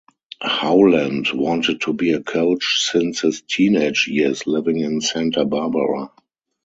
Howland wanted to be a coach since his teenage years living in Santa Barbara.